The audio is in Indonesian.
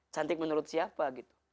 cantik menurut siapa gitu